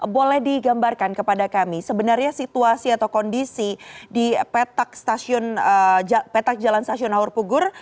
boleh digambarkan kepada kami sebenarnya situasi atau kondisi di petak jalan stasiun nahur pugur